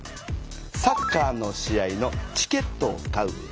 サッカーの試合のチケットを買う。